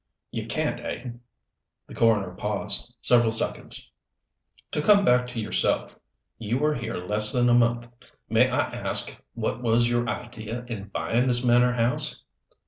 "You can't, eh." The coroner paused, several seconds. "To come back to yourself. You were here less than a month. May I ask what was your idea in buying this manor house?"